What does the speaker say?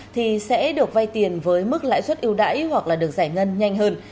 thì sẽ được vay tiền với mức lãi suất yêu đãi hoặc là được giải ngân nhanh hơn